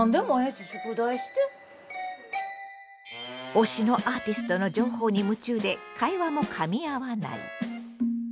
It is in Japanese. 推しのアーティストの情報に夢中で会話もかみ合わない。